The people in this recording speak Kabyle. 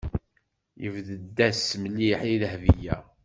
Yebded-as mliḥ i Dahbiya.